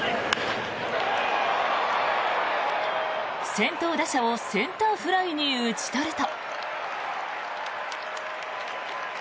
先頭打者をセンターフライに打ち取ると。